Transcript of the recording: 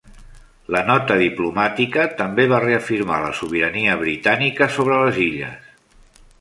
La nota diplomàtica també va reafirmar la sobirania britànica sobre les illes.